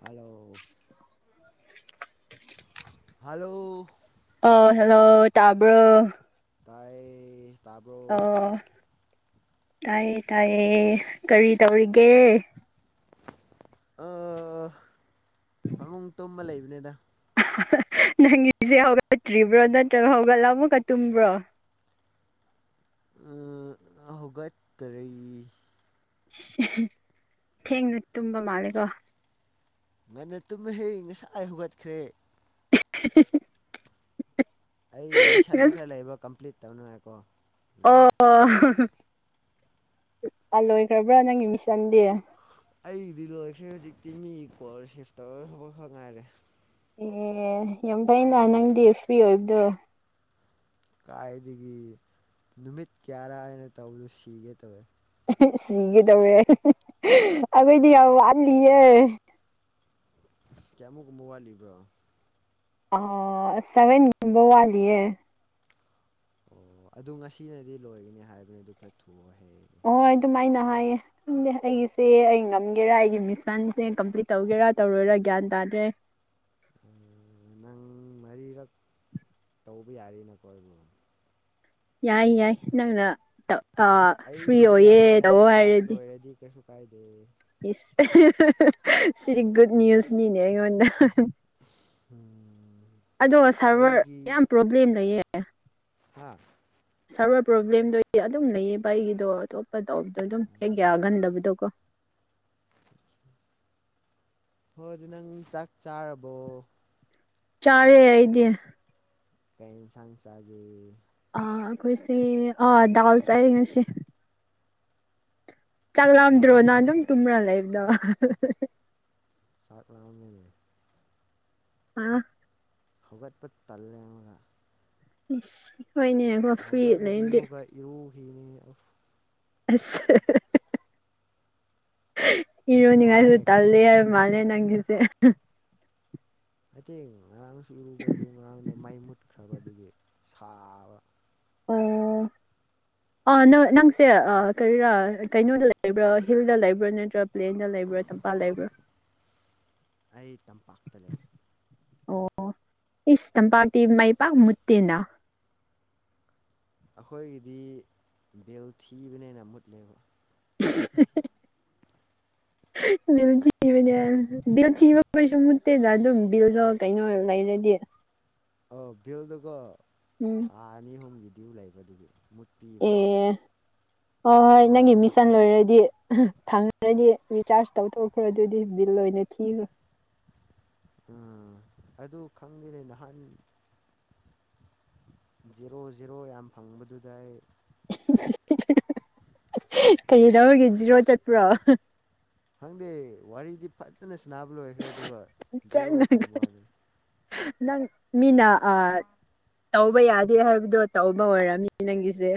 hello hello ꯑ hello ꯇꯥꯕ꯭ꯔꯣ ꯇꯥꯏ ꯇꯥꯕ꯭ꯔꯣ ꯑꯣ ꯇꯥꯏꯌꯦ ꯇꯥꯏꯌꯦ ꯀꯔꯤ ꯇꯧꯔꯤꯒꯦ ꯐꯃꯨꯡ ꯇꯨꯝꯕ ꯂꯩꯕꯅꯦꯗ ꯅꯪꯒꯤꯁꯦ ꯍꯧꯒꯠꯇ꯭ꯔꯤꯕ꯭ꯔꯣ ꯅꯠꯇ꯭ꯔꯒ ꯍꯧꯒꯠꯂ ꯑꯃꯨꯀ ꯇꯨꯝꯕ꯭ꯔꯣ ꯍꯧꯒꯠꯇꯔꯤ ꯊꯦꯡꯅ ꯇꯨꯝꯕ ꯃꯥꯜꯂꯦꯀꯣ ꯅꯅ ꯇꯨꯝꯃ ꯍꯩ ꯉꯁꯥꯏ ꯑꯩ ꯍꯧꯒꯠꯈ꯭ꯔꯦ [unintelligible] ꯑꯩ ꯃꯤꯁꯟ ꯑꯁ ꯈꯔ ꯂꯩꯕ ꯀꯝꯄ꯭ꯂꯤꯠ ꯇꯧꯅꯔꯥꯏꯦꯀꯣ ꯑꯣꯥꯂꯣꯏꯈ꯭ꯔꯕ꯭ꯔꯥ ꯅꯪꯒꯤ ꯃꯤꯁꯟꯗꯤ ꯑꯩꯒꯤꯗꯤ ꯂꯣꯏꯈ꯭ꯔꯦ ꯍꯧꯖꯤꯛꯇꯤ ꯃꯤ ꯀꯣꯜ ꯔꯤꯁꯤꯞ ꯇꯧꯔꯗꯕ ꯈꯛ ꯉꯥꯏꯔꯦ ꯑꯦ ꯌꯥꯝ ꯐꯩꯅ ꯅꯪꯗꯤ ꯐ꯭ꯔꯤ ꯑꯣꯏꯕꯗꯣ ꯀꯥꯏꯗꯒꯤ ꯅꯨꯃꯤꯠ ꯀꯌꯥꯔꯥ ꯑꯅ ꯇꯧꯕꯗꯣ ꯁꯤꯒꯦ ꯇꯧꯋꯦ ꯁꯤ ꯀꯩꯗꯧꯋꯦ ꯑꯩꯈꯣꯏꯗꯤ ꯌꯥꯝ ꯋꯥꯠꯂꯤꯌꯦꯦ ꯀꯌꯥꯃꯨꯛꯀ ꯃ ꯋꯥꯠꯂꯤꯕ꯭ꯔꯣ ꯑ ꯁꯚꯦꯟ ꯋꯥꯠ ꯂꯤꯌꯦ ꯑꯣ ꯑꯗꯨ ꯉꯁꯤꯅꯗꯤ ꯂꯣꯏꯒꯅꯤ ꯍꯥꯏꯕꯅꯤ ꯑꯗꯨ ꯈꯔ ꯊ ꯊꯣꯛꯑ ꯍꯌꯦ ꯑꯣꯍꯣꯏ ꯑꯗꯨꯝꯥꯏꯅ ꯍꯥꯏꯌꯦ ꯪꯑꯩꯒꯤꯁꯦ ꯑꯩ ꯉꯝꯒꯦꯔꯥ ꯑꯩꯒꯤ ꯃꯤꯁꯟꯁꯦ ꯀꯝꯄ꯭ꯂꯤꯠ ꯇꯧꯒꯦꯔꯥ ꯇꯧꯔꯣꯏꯔꯥ ꯒ꯭ꯌꯥꯟ ꯇꯥꯗ꯭ꯔꯦ ꯅꯪ ꯃꯔꯤꯔꯛ ꯇꯧꯕ ꯌꯥꯔꯤꯅꯦꯀꯣ ꯑꯩꯕꯨ ꯌꯥꯏ ꯌꯥꯏ ꯅꯪꯅ ꯐ꯭ꯔꯤ ꯑꯣꯏꯌꯦ ꯇꯧ ꯍꯥꯏꯔꯗꯤ ꯗꯤ ꯀ ꯀꯥꯏꯗꯦ ꯁꯤꯔꯤ ꯨꯗ ꯅ꯭ꯌꯨꯁꯅꯤꯅꯦ ꯑꯩꯉꯣꯟꯗ ꯎꯝ ꯑꯗꯣ ꯁꯥꯔꯚꯔ ꯌꯥꯝ ꯄ꯭ꯔꯣꯕ꯭ꯂꯦꯝ ꯂꯩꯌꯦ ꯍꯥꯥ ꯁꯥꯔꯋꯥꯔ ꯄ꯭ꯔꯣꯕ꯭ꯂꯦꯝꯗꯨꯣ ꯑꯗꯨꯝ ꯂꯩꯌꯦ ꯑꯩ ꯑꯩꯒꯤꯗꯣ ꯑꯇꯣꯞꯄ ꯇꯧꯕꯗꯣ ꯑꯗꯨꯝ ꯍꯦꯛ ꯌꯥꯒꯟꯗꯕꯗꯣꯀꯣ ꯍꯣꯏꯗꯤ ꯅꯪ ꯆꯥꯛ ꯆꯥꯔꯕꯣ ꯆꯥꯔꯦ ꯑꯩꯗꯤ ꯀꯥꯏ ꯏꯟꯁꯥꯡꯁꯒꯦ ꯑꯩꯈꯣꯏꯁꯦ ꯗꯥꯎꯁ ꯑꯩ ꯉꯁꯤ ꯆꯥꯛꯂꯝꯝꯗ꯭ꯔꯣ ꯗꯥꯜ ꯅ ꯑꯗꯨꯝ ꯇꯨꯝꯔ ꯂꯩꯕꯗꯣ ꯆꯥꯛꯂꯝꯃꯤꯅꯦ ꯑ [inaudible] ꯍꯧꯒꯠꯄ ꯇꯜꯂꯦ ꯑꯃꯒ ꯍꯣꯏꯅꯦ ꯍꯧꯒꯠꯂꯗꯤ ꯑꯃꯨꯛꯀ ꯏꯔꯨꯈꯤꯅꯤ ꯑ ꯑꯁ [inaudible] ꯏꯔꯣꯅꯤ ꯉꯥꯏꯁꯨ ꯋꯥꯏꯌꯦ ꯇꯂꯦ ꯈꯜꯂꯒ ꯃꯥꯅꯦ ꯅꯪꯒꯤꯁꯦ ꯃꯇꯠꯇꯦꯡ ꯉꯔꯥꯡꯁꯨ ꯎꯔꯨꯕꯗꯨ ꯉꯔꯥꯡꯗꯨ ꯃꯥꯏ ꯃꯨꯠꯈ꯭ꯔꯕ ꯑꯗꯨꯒꯤ ꯁꯥꯕ ꯎ ꯅꯪ ꯅꯪꯁꯦ ꯀꯔꯤꯔꯥ ꯀꯩꯅꯣꯗ ꯂꯩꯕ꯭ꯔꯥ ꯍꯤꯜꯗ ꯂꯩꯕ꯭ꯔꯥ ꯅꯠꯇ꯭ꯔ ꯄ꯭ꯂꯦꯟꯗ ꯂꯩꯕ꯭ꯔꯥ ꯊꯝꯄꯥꯛꯜ ꯂꯩꯕ꯭ꯔꯥ ꯑꯩ ꯇꯝꯄꯥꯛꯇ ꯂꯩ ꯑꯣ ꯏ ꯆꯝꯄꯥꯛꯇꯤ ꯃꯥꯏ ꯄꯥꯛ ꯃꯨꯠꯇꯦꯅ ꯑꯩꯈꯣꯏꯒꯤꯗꯤ ꯕꯦꯜ ꯊꯤꯕꯅꯦꯅ ꯃꯨꯠꯂꯦꯕ ꯍꯤ ꯍꯤ ꯕꯤꯜ ꯊꯤꯕꯅꯦ ꯕꯤꯜ ꯊꯤꯕ ꯀꯩꯁꯨ ꯃꯨꯠꯇꯦꯗ ꯑꯗꯨꯝ ꯕꯤꯜꯗꯣ ꯀꯩꯅꯣ ꯂꯩꯔꯗꯤ ꯑ ꯕꯜꯗꯨꯀꯣ ꯎꯝ ꯊꯥ ꯑꯅꯤ ꯑꯍꯨꯝꯒꯤ ꯗ꯭ꯌꯎꯨ ꯂꯩꯕꯗꯨꯒꯤꯨ ꯑꯦ ꯍꯣꯏ ꯍꯣꯏ ꯃꯔꯛ ꯅꯪꯒꯤ ꯃꯤꯁꯟ ꯃꯔꯛꯇ ꯂꯣꯏꯔꯗꯤ ꯊꯪꯈ꯭ꯔꯗꯤ ꯔꯤꯆꯥꯔꯖ ꯇꯧꯊꯣꯛꯈ꯭ꯔꯣ ꯑꯗꯨꯗꯤ ꯕꯤꯜ ꯑꯣꯏꯅ ꯊꯤꯈ꯭ꯔꯣ ꯎꯝ ꯑꯗꯨ ꯈꯪꯗꯔꯦ ꯅꯍꯥꯟ ꯖꯦꯔꯣ ꯖꯦꯔꯣ ꯌꯥꯝ ꯐꯪꯕꯗꯨꯗ ꯑꯩ ꯀꯔꯤ ꯇꯧꯕꯒꯦ ꯖꯤꯔꯣ ꯆꯠꯄ꯭ꯔꯣ ꯈꯪꯗꯦ ꯋꯥꯔꯤꯗꯤ ꯐꯖꯅ ꯁꯕ ꯂꯣꯏꯈ꯭ꯔꯦ ꯑꯗꯨꯒ ꯖꯦꯔꯣ ꯆꯠꯂꯒ ꯐꯪꯕ ꯋꯥꯗꯦ ꯅꯪ ꯃꯤꯅꯥ ꯑ ꯇꯧꯕ ꯌꯥꯗꯦ ꯍꯥꯏꯕꯗꯣ ꯇꯧꯕ ꯑꯣꯏꯔꯝꯅꯤ ꯅꯪꯒꯤꯁꯦ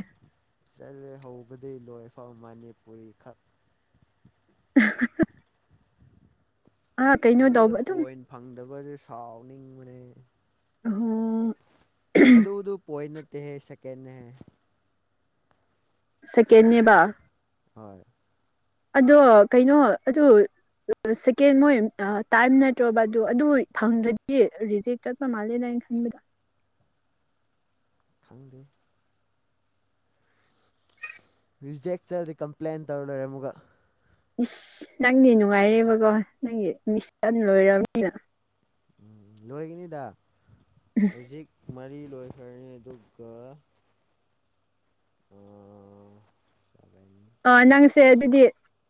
ꯆꯠꯂꯦ ꯍꯧꯕꯗꯒꯤꯩ ꯂꯣꯏꯐꯥꯎ ꯃꯅꯤꯄꯨꯔꯤꯈꯛ ꯎꯍꯥ ꯍꯥ ꯀꯩꯅꯣ ꯑꯗꯨꯗ ꯇꯧꯕ ꯑꯗꯨꯝ ꯄꯣꯏꯟ ꯐꯪꯗꯕꯁꯦ ꯁꯥꯎꯅꯤꯡꯕꯅꯦ ꯑꯣ ꯇꯗꯨ ꯄꯣꯏꯟ ꯅꯠꯇꯦ ꯁꯦꯀꯦꯟꯍꯦ ꯁꯦꯀꯦꯟꯅꯦꯕ ꯍꯣꯏ ꯑꯗꯣ ꯀꯩꯅꯣ ꯑꯗꯨ ꯁꯦꯀꯦꯟ ꯃꯣꯏ ꯇꯥꯏꯝ ꯅꯠꯇ꯭ꯔꯣꯕ ꯑꯗꯨꯣ ꯑꯗꯨ ꯊꯪꯗ꯭ꯔꯗꯤ ꯍꯧꯖꯤ ꯆꯠꯄ ꯃꯥꯜꯂꯗꯥꯏ ꯈꯟꯗ ꯈꯪꯗꯦ ꯔꯤꯖꯦꯛ ꯆꯠꯗꯤ ꯀꯝꯄ꯭ꯂꯦꯟ ꯇꯧꯔ ꯂꯩꯔꯝꯃꯒ ꯏꯁ ꯅꯪꯗꯤ ꯅꯨꯡꯉꯥꯏꯔꯦꯕꯀꯣ ꯅꯪꯒꯤ ꯃꯤꯁꯟ ꯂꯣꯏꯔꯕꯔꯕꯅꯤꯅ ꯎꯝ ꯂꯣꯏꯒꯅꯤꯗ ꯍꯧꯖꯤꯛ ꯃꯔꯤ ꯂꯣꯏꯈ꯭ꯔꯅꯤ ꯑꯗꯨꯒ ꯑꯣ ꯁꯕꯥꯏ ꯑ ꯅꯪꯁꯦ ꯑꯗꯨꯗꯤ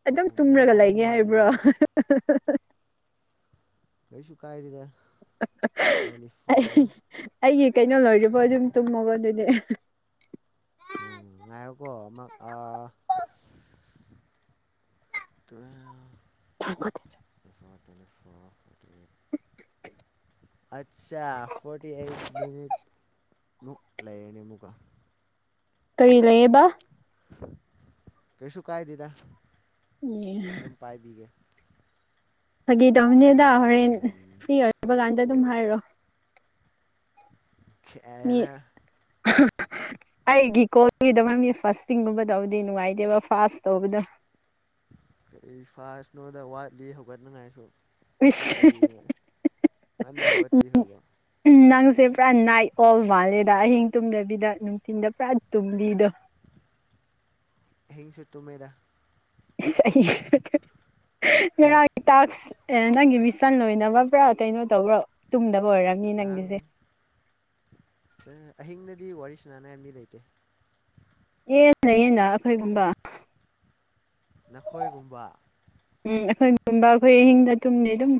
ꯑꯗꯨꯝ ꯅꯪ ꯇꯨꯝꯔꯒ ꯂꯩꯒꯦ ꯑꯍꯨꯝ ꯍꯥꯏꯕ꯭ꯔꯣ ꯋꯥꯠꯂꯤꯌꯦ ꯀꯩꯁꯨ ꯀꯥꯏꯗꯗ ꯑꯩ ꯑꯩꯒꯤ ꯀꯩꯅꯣ ꯂꯣꯏꯔꯤꯕꯣ ꯑꯗꯨꯝ ꯇꯨꯝꯃꯒꯣꯟꯗꯨꯅꯦ [inaudible] ꯑꯥ ꯉꯥꯏꯌꯀꯣ ꯑꯃ ꯇꯣꯏ ꯊꯦꯡ ꯇꯦ ꯐꯣꯔ ꯐ [inaudible] ꯑꯆꯥ ꯐꯣꯔꯇꯤ ꯑꯩꯠ ꯃꯤꯅꯤꯠ ꯃꯨꯛ ꯂꯩꯔꯅꯤ ꯑꯃꯨꯛꯀ ꯀꯔꯤ ꯂꯩꯌꯦꯕ ꯀꯩꯁꯨ ꯀꯥꯏꯗꯦꯗ ꯌꯦ ꯑꯗꯨꯝ ꯄꯥꯏꯕꯤꯒꯦ ꯐꯥꯒꯤꯗꯧꯅꯦꯗ ꯐꯥꯏꯚ ꯍꯣꯔꯦꯟ ꯇꯦꯟ ꯐ꯭ꯔꯤ ꯑꯣꯏꯕ ꯀꯥꯟꯗ ꯑꯗꯨꯝ ꯍꯥꯏꯔꯛꯑꯣ ꯈꯦꯔ [inaudible] ꯎ [inaudible] ꯑꯩꯒꯤ ꯀꯣꯜꯒꯤꯗꯃꯛꯅꯤ ꯐꯥꯔꯁꯇꯤꯡꯒꯨꯝꯕ ꯇꯧꯗꯤ ꯅꯨꯡꯉꯥꯏꯇꯦꯕ ꯐꯥꯥꯁ ꯇꯧꯕꯗꯣ ꯀꯔꯤ ꯐꯥꯁꯅꯣꯗ ꯋꯥꯠꯂꯤ ꯍꯧꯒꯠꯅꯉꯥꯏꯁꯨ ꯃꯁꯤ ꯏꯁ ꯀꯔꯤ ꯉꯟꯅ ꯍꯧꯒꯠꯄꯤꯈ꯭ꯔꯕꯥ ꯎ ꯅꯪꯁꯦ ꯄꯨꯔꯥ ꯅꯥꯏꯠ ꯑꯣꯜ ꯃꯥꯜꯂꯦꯗ ꯑꯍꯤꯡ ꯇꯨꯝꯗꯕꯤꯗ ꯅꯨꯡꯊꯤꯟꯗ ꯄꯨꯔꯥ ꯇꯨꯝꯕꯤꯗꯣ ꯑꯍꯤꯡꯁꯨ ꯇꯨꯝꯃꯦꯗ ꯉꯔꯥꯡ ꯇꯥꯛꯁ ꯅꯪꯒꯤ ꯃꯤꯁꯟ ꯂꯣꯏꯅꯅꯕ ꯄꯨꯔꯥ ꯀꯩꯅꯣ ꯇꯧꯕꯔꯣ ꯇꯨꯡꯗꯕ ꯑꯣꯏꯔꯝꯒꯅꯤ ꯉꯔꯥꯡ ꯑꯍꯤꯡꯗꯗꯤ ꯋꯥꯔꯤ ꯁꯥꯟꯅꯅꯤꯡꯉꯥꯏ ꯃꯤ ꯂꯩꯇꯦ ꯑꯦ ꯂꯩꯌꯦꯅ ꯑꯩꯈꯣꯏꯒꯨꯝꯕ ꯅꯈꯣꯏꯒꯨꯝꯕ ꯎꯝ ꯑꯈꯣꯏꯒꯨꯝꯕ ꯑꯈꯣꯏ ꯑꯍꯤꯡꯒ ꯇꯨꯝꯗꯦ ꯑꯗꯨꯝ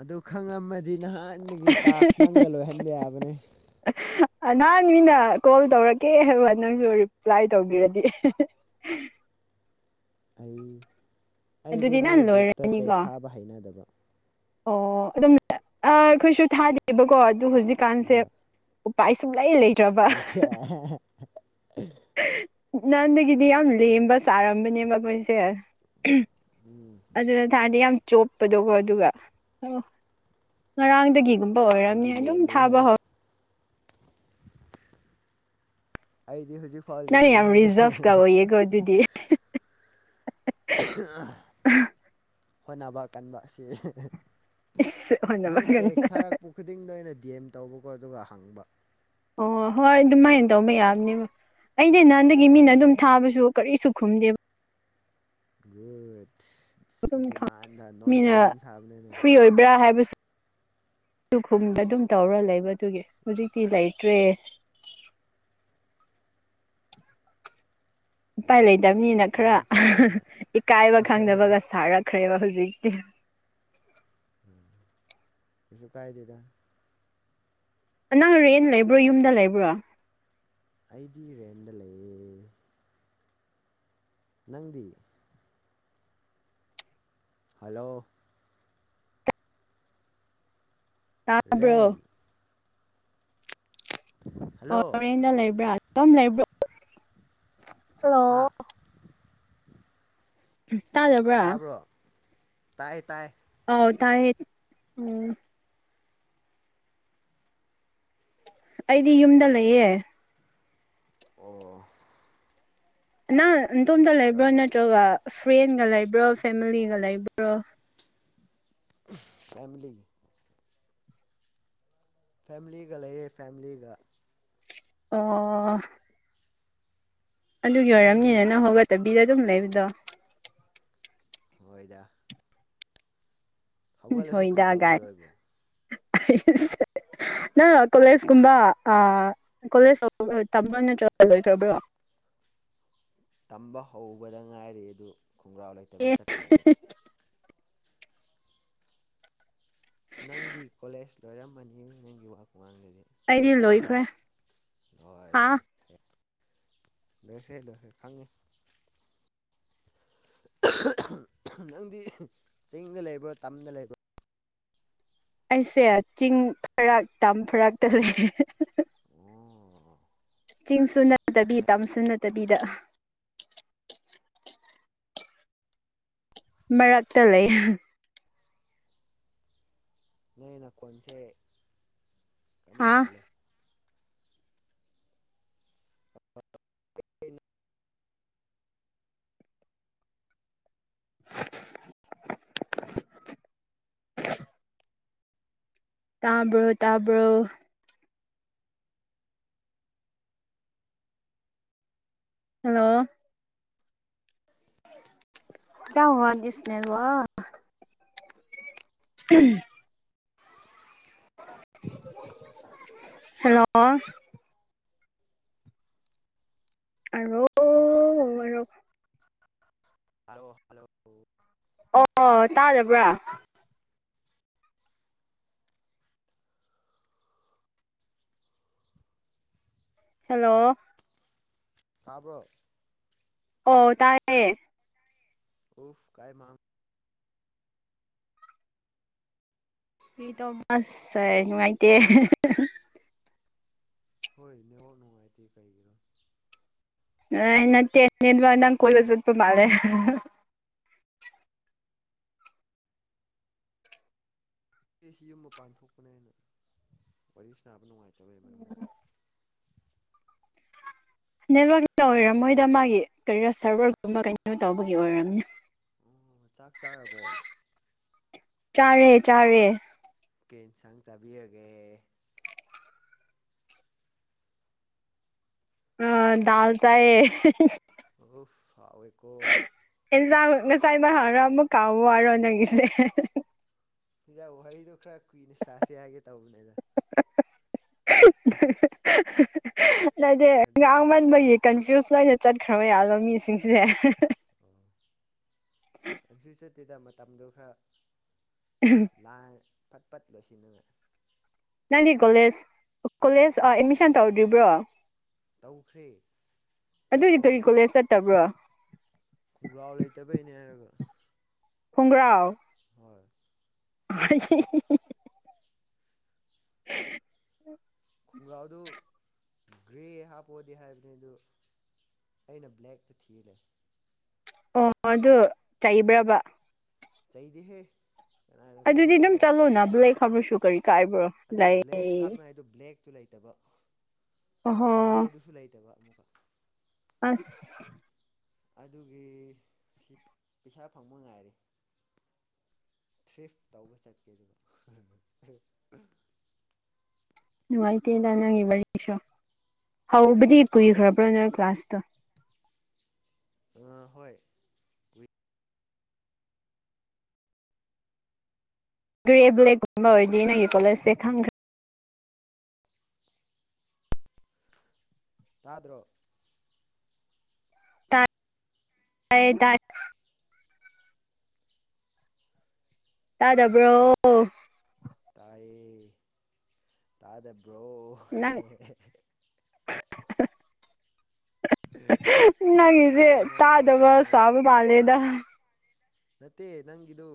ꯑꯗꯨ ꯈꯪꯉꯝꯃꯗꯤ ꯅꯍꯥꯟꯒꯤ ꯇꯥꯛꯁ ꯅꯪꯅ ꯂꯣꯏꯍꯟꯕ ꯌꯥꯕꯅꯦ ꯅꯍꯥꯟ ꯃꯤꯅ ꯀꯣꯜ ꯇꯧꯔꯛꯀꯦ ꯅꯪꯁꯨ ꯔꯤꯄ꯭ꯂꯥꯏ ꯇꯧꯕꯤꯔꯗꯤ ꯑꯩ ꯑꯩꯗꯨ ꯑꯗꯨꯗꯤ ꯃꯣꯏ ꯅꯪ ꯒ꯭ꯔꯨꯞꯇ ꯂꯣꯏꯔꯅꯤꯀꯣ ꯇꯦꯛꯁ ꯊꯥꯕ ꯍꯩꯅꯗꯕ ꯑꯣ ꯑꯗꯨꯝ ꯑꯩꯈꯣꯏꯁꯨ ꯊꯥꯗꯦꯕꯀꯣ ꯑꯗꯨ ꯍꯧꯖꯤꯛꯀꯥꯟꯁꯦ ꯎ ꯄꯥꯏ ꯁꯨꯡꯂꯩꯥ ꯂꯩ ꯁ [inaudible] ꯅꯥꯟꯗꯒꯤꯗꯤ ꯌꯥꯝ ꯂꯦꯝꯕ ꯁꯥꯔꯝꯕꯅꯦꯕ ꯑꯈꯣꯏꯁꯦ ꯑꯗꯨ ꯇꯗꯤ ꯌꯥꯝ [inaudible] ꯆꯣꯞꯄꯗꯒꯣ ꯑꯗꯨꯒ ꯑꯣ ꯉꯔꯥꯡꯗꯒꯤꯒꯨꯝꯕ ꯑꯣꯏꯔꯝꯅꯤ ꯑꯩꯗꯤ ꯑꯗꯨꯝ ꯂꯦꯝꯔꯤꯍꯦ ꯊꯥꯕ ꯍꯧ ꯑꯩꯗꯤ ꯍꯧꯖꯤꯛ ꯐꯥꯎ ꯂꯦꯝꯃꯤꯍꯦ ꯌꯦꯒꯣ ꯑꯗꯨꯗꯤ ꯍꯣꯠꯅꯕ ꯀꯟꯕ ꯑꯁꯤ ꯏꯁ ꯃꯤ ꯍꯣꯠꯅꯕ ꯇꯦꯛꯁ ꯀꯟꯅ ꯊꯥꯔꯛꯄ ꯈꯨꯗꯤꯡꯗ ꯑꯩꯅ ꯗꯤ ꯑꯦꯝ ꯇꯧꯕꯀꯣ ꯑꯗꯨꯒ ꯍꯪꯕ ꯑꯣ ꯍꯣꯏ ꯑꯗꯨꯃꯥꯏꯅ ꯇꯧꯕ ꯌꯥꯕꯅꯦꯕ ꯑꯩꯗꯤ ꯅꯍꯥꯟꯗꯒꯤ ꯃꯤꯅ ꯑꯗꯨꯝ ꯊꯥꯕꯁꯨ ꯀꯔꯤꯁꯨ ꯈꯨꯝꯗꯦ ꯒꯨꯠ ꯑꯗꯨꯝ ꯈꯪ ꯗꯤꯃꯥꯟꯗ ꯅꯣꯟ ꯆꯂꯥꯟ ꯁꯥꯕꯅꯤꯅ ꯕꯦꯔꯥ ꯍꯥꯏꯕꯁꯨ ꯈꯨꯝꯗ ꯑꯗꯨꯝ ꯇꯧꯔ ꯂꯩꯕ ꯑꯗꯨꯒꯤ ꯍꯧꯖꯤꯛꯇꯤ ꯂꯩꯇ꯭ꯔꯦ ꯏꯄꯥꯏ ꯌꯥꯝꯅ ꯂꯩꯇꯕꯅꯤꯅ ꯈꯔ ꯅꯣꯟ ꯆꯂꯥꯟꯕ ꯏꯀꯥꯏꯕ ꯈꯪꯗꯕꯒ ꯁꯥꯔꯛ ꯈ꯭ꯔꯦꯕ ꯍꯧꯖꯤꯛꯇꯤ ꯀꯩꯁꯨ ꯀꯥꯏꯗꯦꯗꯥ ꯅꯪ ꯔꯦꯟ ꯂꯩꯕ꯭ꯔꯣ ꯌꯨꯝꯗ ꯂꯩꯕ꯭ꯔꯣ ꯑꯩꯗꯤ ꯔꯦꯟꯗ ꯂꯩꯌꯦ ꯅꯪꯗꯤ ꯍꯜꯂꯣ ꯔꯦꯟ ꯇꯥꯗꯕ꯭ꯔꯣ ꯍꯣ ꯍꯜꯂꯣ ꯔꯦꯟꯗ ꯂꯩꯕ꯭ꯔꯥ ꯍꯜꯂꯣ ꯍꯥ ꯇꯥꯖꯕ [inaudible] ꯇꯥꯕ꯭ꯔꯣ ꯇꯥꯏ ꯇꯥꯏ ꯑꯥꯎ ꯇꯥꯏꯌꯦ ꯎꯝ ꯑꯩꯗꯤ ꯌꯨꯝꯗ ꯂꯩꯌꯦ ꯑꯣ ꯅꯪ ꯅꯇꯣꯟꯗ ꯂꯩꯕ꯭ꯔꯣ ꯅꯠꯇ꯭ꯔꯒ ꯐ꯭ꯔꯦꯟꯒ ꯂꯩꯕ꯭ꯔꯣ ꯐꯦꯃꯤꯂꯤꯒ ꯂꯩꯕ꯭ꯔꯣ ꯐꯦꯃꯤꯂꯤ ꯐꯦꯂꯤꯒ ꯂꯩꯌꯦ ꯐꯦꯂꯤꯒ ꯑꯣ ꯑꯣ ꯑꯗꯨꯒꯤ ꯅꯪꯗꯤ ꯑꯣꯏꯔꯝꯅꯤꯅ ꯅꯪ ꯍꯧꯒꯠꯇꯕꯤꯗ ꯑꯗꯨꯝ ꯂꯩꯕꯗꯣ ꯑꯣꯏꯣꯏꯗ ꯍꯧꯒꯠꯂꯁꯨ ꯀꯔꯤ ꯍꯣꯏꯗ ꯒꯥꯏ ꯇꯧꯈꯤꯔꯣꯏꯕꯣ ꯅꯪꯅ ꯀꯣꯂꯦꯖꯀꯨꯝꯕ ꯀꯣꯂꯦꯖ ꯇꯝꯕ꯭ꯔꯣ ꯅꯠꯇ꯭ꯔꯒ ꯂꯣꯏꯈ꯭ꯔꯕ꯭ꯔꯣ ꯇꯝꯕ ꯍꯧꯕꯗ ꯉꯥꯏꯔꯤ ꯑꯗꯨ ꯈꯣꯡꯒ꯭ꯔꯥꯎ ꯑꯦ ꯂꯩꯇꯕꯩ ꯆꯠꯄꯤꯗꯕ ꯅꯪꯗꯤ ꯀꯣꯂꯦꯖ ꯂꯣꯏꯔꯝꯃꯅꯤ ꯅꯪꯒꯤ ꯋꯥ ꯈꯨꯉꯥꯡꯗꯨꯗꯤ ꯑꯩꯗꯤ ꯅꯠꯇ꯭ꯔꯒ ꯂꯣꯏꯈ꯭ꯔꯦ ꯂꯣꯏ ꯍꯥ ꯂꯣꯏ ꯂꯁꯦ ꯂꯁꯣꯏ ꯈꯉꯤ ꯅꯪꯗꯤ ꯆꯤꯡꯗ ꯂꯩꯕ꯭ꯔꯣ ꯇꯝꯗ ꯂꯩꯕ꯭ꯔ ꯑꯩꯁꯦ ꯆꯤꯡ ꯐꯔꯛ ꯇꯝ ꯐꯔꯛꯇ ꯂꯩ ꯑꯣ ꯆꯤꯡꯁꯨ ꯅꯠꯇꯕꯤ ꯇꯝꯁꯨ ꯅꯠꯇꯕꯤꯗ ꯃꯔꯛꯇ ꯂꯩ ꯅꯣꯢ ꯅꯈꯣꯟꯁꯦ ꯑꯃ ꯍꯥꯥ ꯃꯥꯜꯂꯦ ꯀꯩꯅ [inaudible] ꯇꯥꯕ꯭ꯔꯣ ꯇꯥꯕ꯭ꯔꯣ ꯍꯜꯂꯣ ꯀꯌꯥ ꯍꯨꯋꯥ ꯗꯤꯁ ꯅꯦꯋꯥꯛ ꯎꯝ ꯍꯜꯂꯣ ꯍꯂꯣ ꯍꯜꯂꯣ ꯍꯜꯂꯣ ꯑꯣ ꯇꯥꯗꯕ꯭ꯔꯥ ꯍꯜꯂꯣ ꯍꯥꯥꯕ꯭ꯔꯣ ꯑꯣ ꯇꯥꯥꯏꯌꯦ ꯑꯣꯐ ꯀꯥꯏ ꯃꯥꯥꯡ ꯃꯤꯗꯣ ꯑꯁ ꯅꯨꯡꯉꯥꯏꯇꯦ ꯍꯣꯏ ꯅꯦꯋꯥꯛ ꯅꯨꯡꯉꯥꯏꯇꯦ ꯀꯩꯒꯤꯔ ꯑꯩꯅ ꯇꯅꯦ ꯅ ꯀ ꯆꯠꯄ ꯃꯥꯜꯂꯦ ꯑꯩꯁꯤ ꯌꯨꯝ ꯃꯄꯥꯟ ꯊꯣꯛꯄꯅꯦꯅ ꯋꯥꯔꯤ ꯁꯕ ꯅꯨꯡꯉꯥꯏꯇꯕꯩ ꯃꯅꯨꯡꯗ ꯅꯦꯠꯋꯔꯛꯀꯤꯗ ꯑꯣꯏꯔꯝꯃꯣꯏꯗ ꯃꯥꯒꯤ ꯀꯔꯤꯔꯣ ꯁꯔꯚꯔꯒꯨꯝꯕ ꯀꯩꯅꯣ ꯇꯧꯕꯒꯤ ꯑꯣꯏꯔꯝꯅꯦ ꯑꯣ ꯆꯥꯛ ꯆꯥꯔꯕꯣ ꯆꯥꯔꯦ ꯆꯥꯔꯦ ꯀꯩ ꯏꯟꯁꯥꯡ ꯆꯥꯕꯤꯔꯒꯦ ꯑ ꯗꯥꯜ ꯆꯑ ꯑꯣꯐ ꯁꯥꯎꯋꯦꯀꯣ ꯑꯦꯟꯁꯥꯡ ꯉꯁꯥꯏ ꯏꯃ ꯍꯔ ꯑꯃ ꯀꯥꯃꯨ ꯍꯥꯢꯔꯣ ꯅꯪꯒꯤꯁꯦ ꯁꯤꯗ ꯋꯥꯔꯤꯍꯗꯣ ꯈꯔ ꯀꯨꯏꯅ ꯆꯁꯤ ꯌꯥꯒꯦ ꯇꯧꯕꯅꯤꯗ ꯂꯩꯗꯦ ꯑꯗꯨ ꯉꯥꯡ ꯁꯦꯡꯕꯒꯤ ꯀꯟꯐ꯭ꯌꯨꯁ ꯂꯩꯅ ꯆꯠꯈ꯭ꯔꯕ ꯌꯥꯝꯅ ꯃꯤꯁꯤꯡꯁꯦ ꯑꯣ ꯀꯩꯁꯨ ꯆꯠꯇꯦꯗ ꯃꯇꯝꯗꯣ ꯈꯔ ꯎꯝ ꯂꯥꯡ ꯐꯠ ꯐꯠ ꯂꯣꯢꯁꯤꯟꯗꯨꯕ ꯅꯪꯗꯤ ꯀꯣꯂꯦꯖ ꯀꯣꯂꯦꯖ ꯑꯦꯠꯃꯤꯁꯟ ꯇꯧꯔꯗ꯭ꯔꯤꯕ꯭ꯔꯣ ꯇꯧꯈ꯭ꯔꯦ ꯑꯗꯨꯗꯤ ꯆꯠꯄ ꯀꯔꯤ ꯍꯧꯗ꯭ꯔꯤ ꯀꯣꯂꯦꯖ ꯆꯠꯇꯕ꯭ꯔꯣ ꯈꯣꯡꯒ꯭ꯔꯥꯎ ꯂꯩꯇꯕꯩꯅꯦ ꯍꯥꯏꯔꯒ ꯈꯣꯡꯒ꯭ꯔꯥꯎ ꯍꯣꯏ [unintelligible] [inaudible] ꯈꯣꯡꯒ꯭ꯔꯥꯎꯗꯨ ꯒ꯭ꯔꯦ ꯍꯥꯞꯄꯑꯣꯗꯤ ꯍꯥꯏꯕꯅꯤ ꯑꯗꯨ ꯑꯩꯅ ꯕ꯭ꯂꯦꯛ ꯇ ꯊꯅ ꯑꯣ ꯑꯗꯨ ꯆꯩꯕ꯭ꯔꯕ ꯆꯩꯗꯦꯍꯦ ꯑꯗꯨꯗꯤ ꯑꯗꯨꯝ ꯆꯠꯂꯣꯅ ꯕ꯭ꯂꯦꯛ ꯍꯥꯏꯕ꯭ꯔꯁꯨ ꯀꯔꯤ ꯀꯥꯏꯕ꯭ꯔꯣ ꯑꯗꯨ ꯂꯩ ꯕ꯭ꯂꯦꯛ ꯍꯥꯞꯅꯥꯏꯗꯨ ꯕ꯭ꯂꯦꯛꯇꯨ ꯂꯩꯇꯕ ꯑꯣꯍꯣ ꯒ꯭ꯔꯦꯗꯨꯁꯨ ꯂꯩꯇꯕ ꯑꯃꯨꯛꯀ ꯑꯁ ꯑꯗꯨꯒꯤ ꯁꯤ ꯄꯩꯁꯥ ꯐꯪꯕ ꯉꯥꯏꯔꯦ ꯊ꯭ꯔꯤꯐ ꯇꯧꯕ ꯆꯠꯀꯦ ꯑꯗꯨꯗ ꯅꯨꯡꯉꯥꯏꯇꯦꯗ ꯅꯪꯒꯤ ꯋꯥꯔꯤꯁꯨ ꯍꯧꯕꯗꯤ ꯀꯨꯏꯈ꯭ꯔꯕ꯭ꯔꯣ ꯅꯣꯏ ꯀ꯭ꯂꯥꯁꯇꯣ ꯑ ꯍꯣꯏ ꯒ꯭ꯔꯦ ꯕ꯭ꯂꯦꯛꯀꯨꯝꯕ ꯑꯣꯏꯔꯗꯤ ꯅꯒꯤ ꯀꯣꯂꯦꯖꯁꯦ ꯈꯪꯈ꯭ꯔꯦ ꯇꯥꯗ꯭ꯔꯣ [unintelligible] ꯇꯥꯗꯕ꯭ꯔꯣ ꯇꯥꯏꯌꯦ ꯇꯥꯗꯕ꯭ꯔꯣ ꯅꯪ ꯅꯪꯒꯤꯁꯦ ꯀꯩꯅꯣꯕ ꯇꯥꯗꯕ ꯀꯩꯅꯣꯕ ꯆꯥꯕ ꯃꯥꯜꯂꯦꯗ ꯅꯠꯇꯦ ꯅꯪꯗꯨ